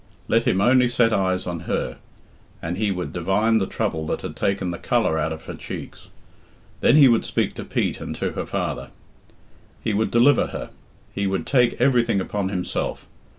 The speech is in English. Let him only set eyes on her, and he would divine the trouble that had taken the colour out of her cheeks. Then he would speak to Pete and to her father; he would deliver her; he would take everything upon himself.